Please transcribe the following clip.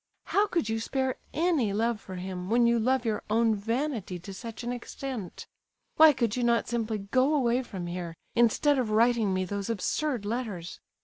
How could you spare any love for him, when you love your own vanity to such an extent? Why could you not simply go away from here, instead of writing me those absurd letters?